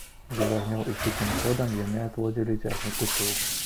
Без агнёў і ціхім ходам яны адводзілі цягнік у тыл.